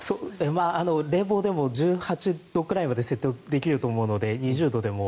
冷房でも１８度くらいまで設定できると思うので２０度でも